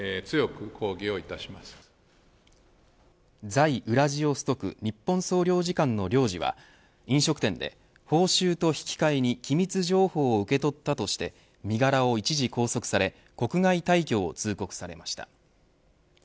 在ウラジオストク日本総領事館の領事は飲食店で報酬と引き換えに機密情報を受け取ったとして身柄を一時拘束され国外退去を通告されました。